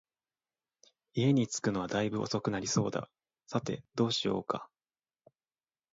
家に着くのは大分遅くなりそうだ、さて、どうしようか